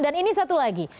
dan ini satu lagi